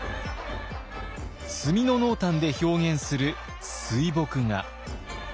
墨の濃淡で表現する水墨画。